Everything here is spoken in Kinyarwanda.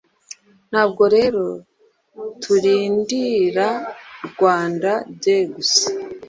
Ntabwo rero turindira Rwannda Day gusa